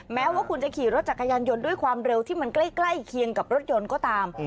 แม้ว่าคุณจะขี่รถจักรยานยนต์ด้วยความเร็วที่มันใกล้เคียงกับรถยนต์ก็ตาม